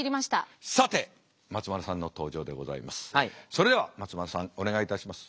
それでは松丸さんお願いいたします。